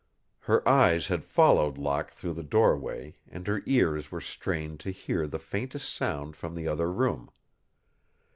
Her eyes had followed Locke through the doorway and her ears were strained to hear the faintest sound from the other room.